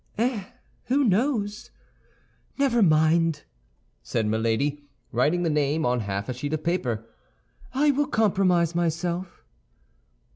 "Eh, who knows? Never mind," said Milady, writing the name on half a sheet of paper; "I will compromise myself."